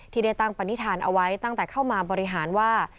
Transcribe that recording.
ที่ได้ตั้งปณิธานเอาไว้ตั้งแต่เข้ามาบริหารว่า